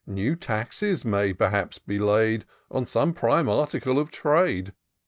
New taxes may, perhaps, be laid On some prime article of trade.